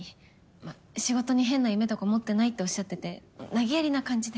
まあ仕事に変な夢とか持ってないっておっしゃってて投げやりな感じで。